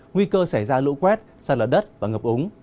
nguy cơ xảy ra lỗ quét xa lở đất và ngập ống